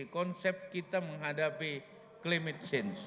konsep kita menghadapi climate sense